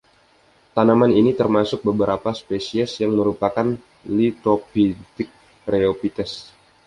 Tanaman ini termasuk beberapa spesies yang merupakan lithophytic rheophytes.